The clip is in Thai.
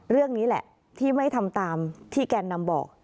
เรื่องนี้แหละที่ไม่ทำตามที่แกนนำบอก